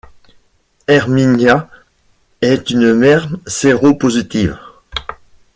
Hermínia est une mère séropositive.